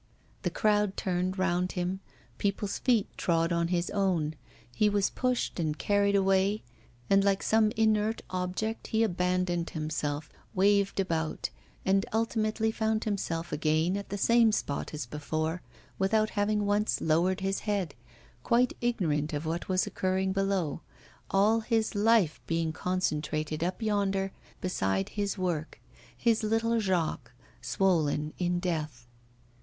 The crowd turned round him, people's feet trod on his own, he was pushed and carried away; and, like some inert object, he abandoned himself, waved about, and ultimately found himself again on the same spot as before without having once lowered his head, quite ignorant of what was occurring below, all his life being concentrated up yonder beside his work, his little Jacques, swollen in death.